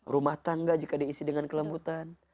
rumah tangga jika diisi dengan kelembutan